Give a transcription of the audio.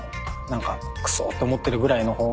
なんかクソって思ってるぐらいのほうが。